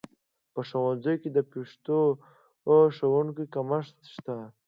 په ښوونځیو کې د پښتو ښوونکو کمښت شته